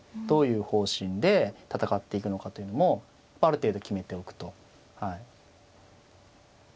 どういう方針で戦っていくのかというのもある程度決めておくとはい。